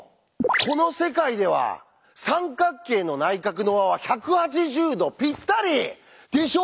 この世界では三角形の内角の和は１８０°ぴったり！でしょ？